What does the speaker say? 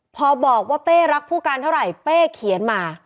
พอบอกว่าเป้รักผู้การเท่าไหร่เป้เขียนมา